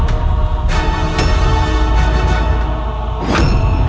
benarkah begitu ray